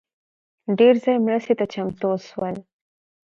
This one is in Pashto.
ډېر ژر مرستي ته چمتو سول